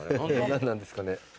何なんですかね。